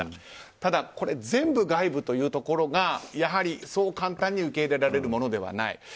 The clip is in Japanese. ただ、これ全部外部というところがやはりそう簡単に受け入れられるものではない。